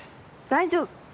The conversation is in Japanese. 大丈夫！